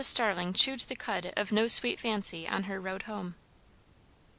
Starling chewed the cud of no sweet fancy on her road home.